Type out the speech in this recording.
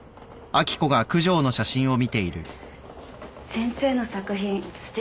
先生の作品すてきでしょ。